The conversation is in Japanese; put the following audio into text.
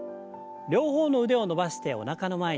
両方の腕を伸ばしておなかの前に。